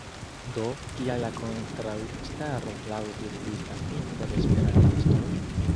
Do, kial la kontraŭstaro laŭ vi ekzistas inter esperantistoj?